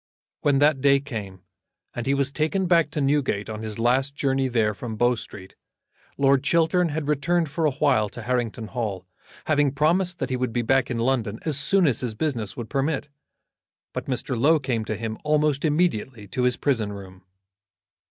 When that day came, and he was taken back to Newgate on his last journey there from Bow Street, Lord Chiltern had returned for a while to Harrington Hall, having promised that he would be back in London as soon as his business would permit; but Mr. Low came to him almost immediately to his prison room.